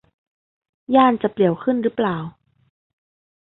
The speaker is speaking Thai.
ย่านจะเปลี่ยวขึ้นรึเปล่า